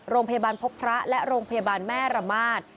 โรงพยาบาลพบพระและโรงพยาบาลแม่ระมาท